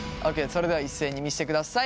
それでは一斉に見せてください。